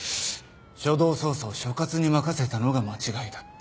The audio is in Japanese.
初動捜査を所轄に任せたのが間違いだった。